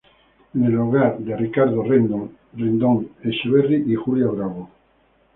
En el hogar de Ricardo Rendón Echeverri y Julia Bravo.